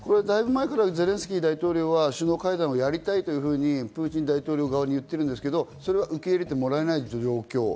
だいぶ前からゼレンスキー大統領は首脳会談をやりたいというふうにプーチン大統領側に言ってるんですけど、それは受け入れてもらえない状況。